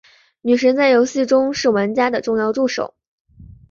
女神在游戏中是玩家的重要助手。